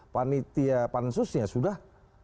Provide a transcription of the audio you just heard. panitia pansusnya sudah